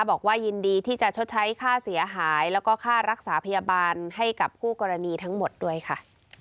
บอกว่ายินดีที่จะชดใช้ค่าเสียหายแล้วก็ค่ารักษาพยาบาลให้กับคู่กรณีทั้งหมดด้วยค่ะ